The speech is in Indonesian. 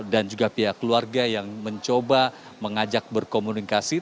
dan juga pihak keluarga yang mencoba mengajak berkomunikasi